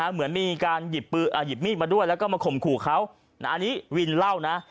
เหมือนมีการหยิบมีดมาด้วยแล้วก็มาข่มขู่เขาอันนี้วินเล่านะ